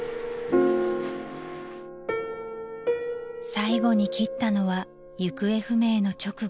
［最後に切ったのは行方不明の直後］